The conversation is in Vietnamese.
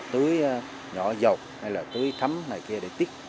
tưới nhỏ dầu hay là tưới thấm này kia để tiết